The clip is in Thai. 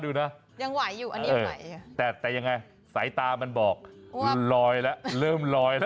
ยังไหวแต่ไหนใส่ตามันบอกเริ่มลอยละ